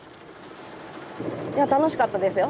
楽しかったですよ。